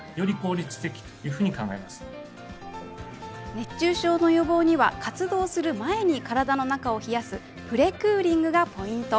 熱中症の予防には活動する前に体の中を冷やすプレクーリングがポイント。